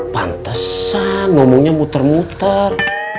pantesan ngomongnya puter puter